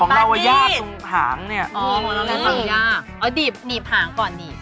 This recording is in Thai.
อ๋องวดล่ะลูกถ้ามีหลางก่อนหนีบ